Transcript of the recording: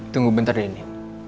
tunggu bentar denny